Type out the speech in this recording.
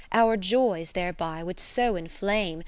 Our joys thereby would so inflame.